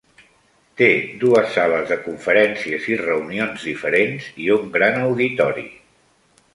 Té dues sales de conferències i reunions diferents i un gran auditori.